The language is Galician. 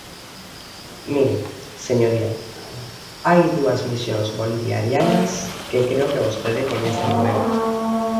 Mire, señoría, hai dúas misións boliviarianas que creo que vostede coñece moi ben.